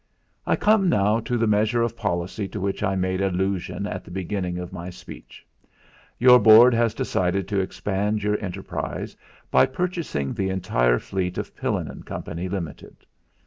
"I come now to the measure of policy to which I made allusion at the beginning of my speech. Your Board has decided to expand your enterprise by purchasing the entire fleet of Pillin & Co., Ltd.